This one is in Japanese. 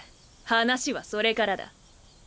話はそれからだ。